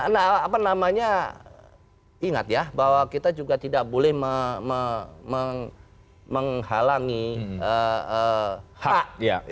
nah apa namanya ingat ya bahwa kita juga tidak boleh menghalangi hak